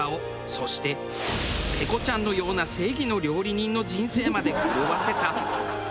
そしてペコちゃんのような正義の料理人の人生まで狂わせた。